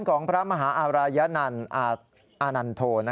โอ้โห